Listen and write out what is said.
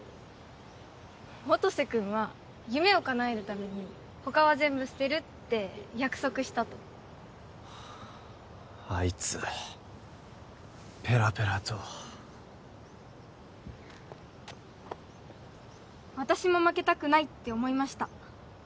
音瀬君は夢をかなえるために他は全部捨てるって約束したとはああいつペラペラと私も負けたくないって思いました